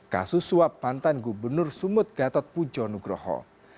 kasus suap mantan gubernur sumut gatot pujo nugroho